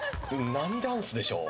何ダンスでしょう。